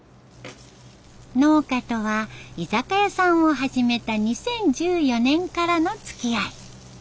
農家とは居酒屋さんを始めた２０１４年からのつきあい。